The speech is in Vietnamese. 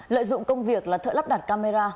lợi dụng công việc là thợ lắp đặt camera